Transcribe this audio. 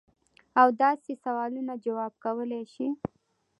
او د داسې سوالونو جواب کولے شي -